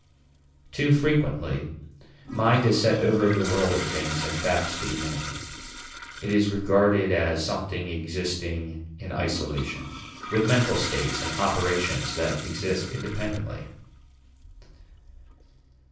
Too frequently mind is set over the world of things and facts to be known; it is regarded as something existing in isolation, with mental states and operations that exist independently.